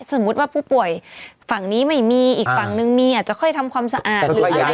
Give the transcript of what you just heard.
สมมุติว่าผู้ป่วยฝั่งนี้ไม่มีอีกฝั่งนึงมีอาจจะค่อยทำความสะอาดหรืออะไร